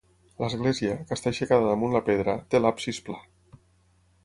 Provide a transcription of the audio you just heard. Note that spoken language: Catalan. L'església, que està aixecada damunt la pedra, té l'absis pla.